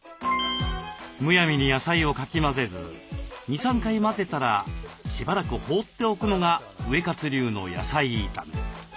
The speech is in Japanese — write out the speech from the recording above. むやみに野菜をかき混ぜず２３回混ぜたらしばらく放っておくのがウエカツ流の野菜炒め。